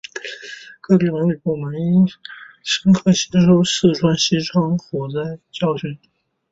各地文旅部门应深刻吸取四川西昌森林火灾事故教训